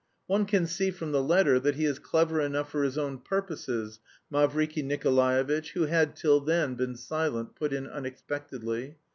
"One can see from the letter that he is clever enough for his own purposes," Mavriky Nikolaevitch, who had till then been silent, put in unexpectedly.